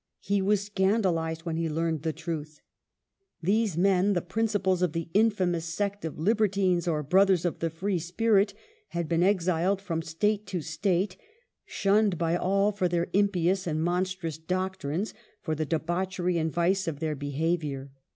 He was scandalized when he learned the truth. These men, the princi pals of the infamous sect of Libertines, or Brothers of the Free Spirit, had been exiled from State to State, shunned by all for their impious and monstrous doctrines, for the de bauchery and vice of their behavior.